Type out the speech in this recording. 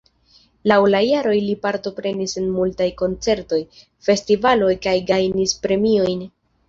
Laŭ la jaroj ili partoprenis en multaj koncertoj, festivaloj kaj gajnis premiojn.